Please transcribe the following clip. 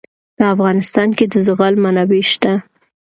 په افغانستان کې د زغال منابع شته.